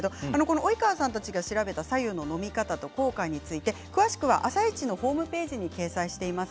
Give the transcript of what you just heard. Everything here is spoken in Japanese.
及川さんたちが調べた白湯の飲み方と効果について詳しくは「あさイチ」のホームページに掲載しています。